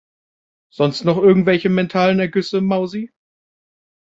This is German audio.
Sonst noch irgendwelche mentalen Ergüsse, Mausi?